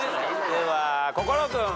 では心君。